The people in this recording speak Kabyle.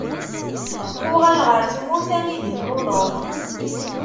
Uɣal ɣer tmurt anida i tluleḍ.